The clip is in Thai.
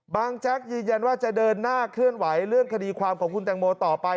แจ๊กยืนยันว่าจะเดินหน้าเคลื่อนไหวเรื่องคดีความของคุณแตงโมต่อไป